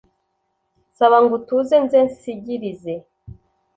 Nsaba ngo utuze nze nsigirize